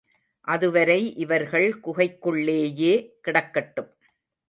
அதுவரை இவர்கள் குகைக்குள்ளேயே கிடக்கட்டும்.